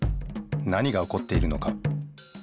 何がおこっているのか。